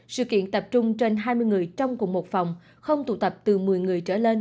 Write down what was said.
sự kiện tập trung trên hai mươi người trong cùng một phòng không tụ tập từ một mươi người trở lên